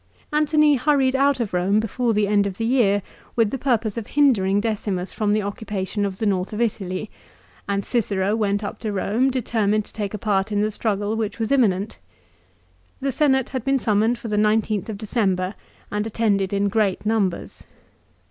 Antony hurried out of Eome before the end of the year with the purpose of hindering Decimus from the occupation of the north of Italy, and Cicero went up to Eome determined to take a part in the struggle which was imminent. The Senate had been summoned for the 19th December, and attended in great numbers.